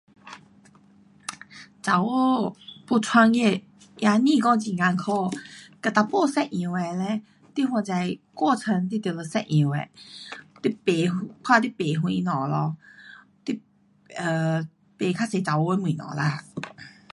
女孩要创业也不讲很困苦。跟男孩一样的嘞。你反正过程你都得一样的。你卖，看你卖什么咯。你 um 卖较多女孩的东西啦。